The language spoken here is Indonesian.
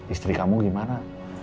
istri kamu gimana